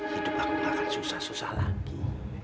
hidup aku gak akan susah susah lagi